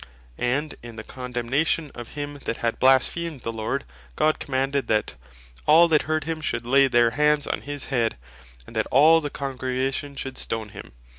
And in the condemnation of him that had blasphemed the Lord (Levit. 24.14.) God commanded that "all that heard him should Lay their Hands on his head, and that all the Congregation should stone him."